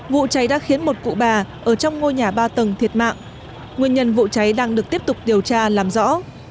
vụ cháy đã khiến một cụ bà ở trong ngôi nhà ba tầng thiệt mạng nguyên nhân vụ cháy đang được tiếp tục điều tra làm rõ